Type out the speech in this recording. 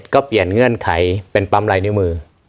ก็เปลี่ยนเงื่อนไขเป็นปั๊มลายนิ้วมือ